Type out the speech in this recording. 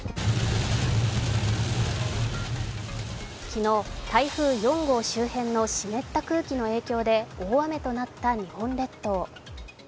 昨日、台風４号周辺の湿った空気の影響で大雨となった日本列島。